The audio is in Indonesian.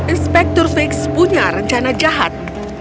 inspektur fix punya rencana jahat